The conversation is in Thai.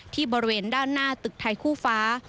บริเวณด้านหน้าตึกไทยคู่ฟ้า